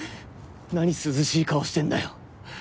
何涼しい顔してんだよ。